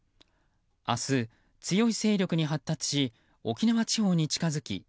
明日、強い勢力に発達し沖縄地方に近づき